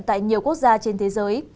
tại nhiều quốc gia trên thế giới